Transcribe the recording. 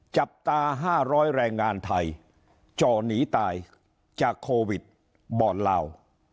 จับตา๕๐๐แรงงานไทยจ่อหนีตายจากโควิดบ่อนลาว